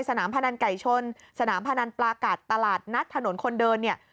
สนามพนันไก่ชนสนามพนันปลากัดตลาดนัดถนนคนเดิน